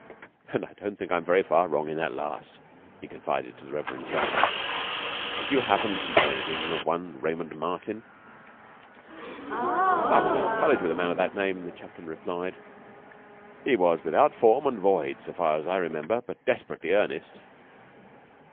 "And I don't think I am very far wrong in that last," he confided to the Reverend John. "Do you happen to know anything of one Raymond Martin?" "I was at College with a man of that name," the chaplain replied. "He was without form and void, so far as I remember, but desperately earnest."